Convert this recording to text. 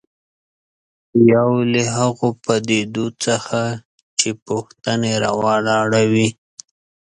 یو له هغو پدیدو څخه چې پوښتنې راولاړوي.